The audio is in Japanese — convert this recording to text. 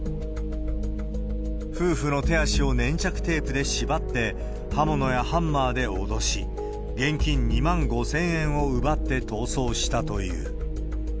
夫婦の手足を粘着テープで縛って刃物やハンマーで脅し、現金２万５０００円を奪って逃走したという。